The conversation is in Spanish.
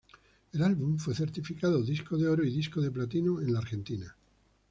El álbum fue certificado Disco de Oro y Disco de Platino en la Argentina.